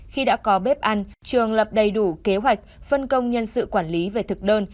khi đã có bếp ăn trường lập đầy đủ kế hoạch phân công nhân sự quản lý về thực đơn